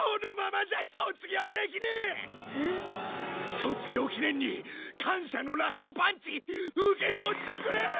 卒業記念に感謝のラストパンチ受け取ってくれ！